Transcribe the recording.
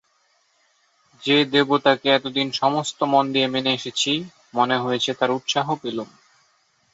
যে দেবতাকে এতদিন সমস্ত মন দিয়ে মেনে এসেছি, মনে হয়েছে তাঁর উৎসাহ পেলুম।